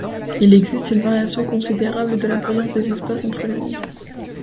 Il existe une variation considérable de la brillance des espaces entre les bandes.